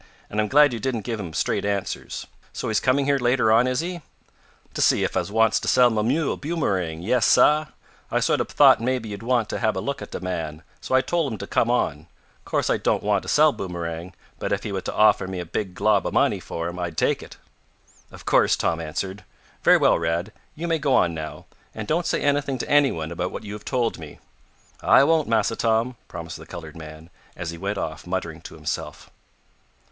And I'm glad you didn't give him straight answers. So he's coming here later on, is he?" "T' see ef I wants t' sell mah mule, Boomerang, yais, sah. I sort ob thought maybe you'd want t' hab a look at dat man, so I tole him t' come on. Course I doan't want t' sell Boomerang, but ef he was t' offer me a big lot ob money fo' him I'd take it." "Of course," Tom answered. "Very well, Rad. You may go on now, and don't say anything to anyone about what you have told me." "I won't, Massa Tom," promised the colored man, as he went off muttering to himself.